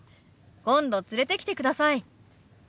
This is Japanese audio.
今度連れてきてください。